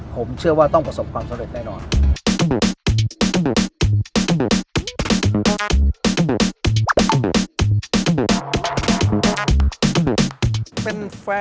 ผมเชื่อว่าต้องประสบความสำเร็จแน่นอน